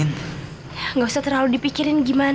ya betapa dia canyon ini kan